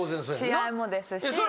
試合もですし。